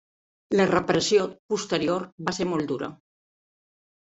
La repressió posterior va ser molt dura.